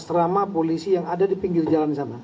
asrama polisi yang ada di pinggir jalan sana